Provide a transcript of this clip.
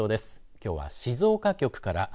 きょうは静岡局から。